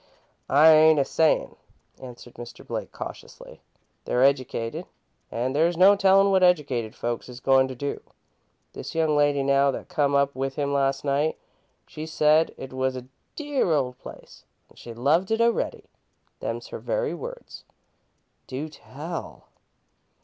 "I ain't a sayin'," answered Mr. Blake, cautiously. "They're educated, an' there's no tellin' what educated folks is goin' to do. This young lady, now, that come up with him last night, she said it was 'a dear old place an' she loved it a'ready.' Them's her very words!" "Do tell!"